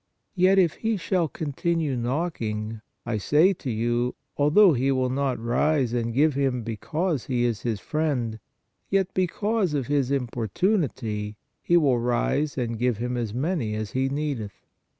Yet if he shall continue knocking, I say to you, although he will not rise and give him because he is his friend ; yet, because of his importunity, he will rise and give him as many as he needeth.